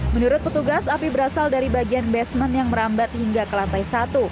menurut petugas api berasal dari bagian basement yang merambat hingga ke lantai satu